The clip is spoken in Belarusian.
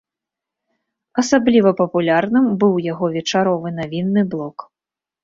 Асабліва папулярным быў яго вечаровы навінны блок.